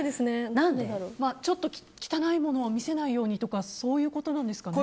ちょっと汚いものを見せないようにとかそういうことなんですかね。